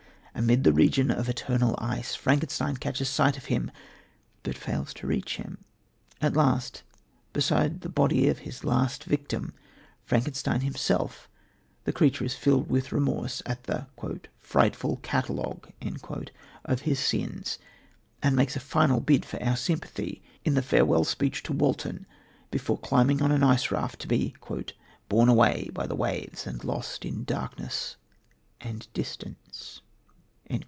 Amid the region of eternal ice, Frankenstein catches sight of him; but fails to reach him. At last, beside the body of his last victim Frankenstein himself the creature is filled with remorse at the "frightful catalogue" of his sins, and makes a final bid for our sympathy in the farewell speech to Walton, before climbing on an ice raft to be "borne away by the waves and lost in darkness and distance."